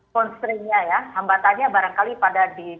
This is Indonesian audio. counseringnya ya hambatannya barangkali pada di